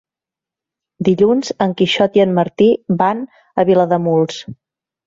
Dilluns en Quixot i en Martí van a Vilademuls.